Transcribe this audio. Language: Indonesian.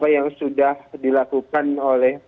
puji yang sudah dilakukan oleh pak jokowi selama ini